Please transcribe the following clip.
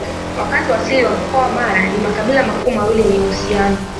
Wakazi wa asili wa Mkoa wa Mara ni makabila makuu mawili yenye uhusiano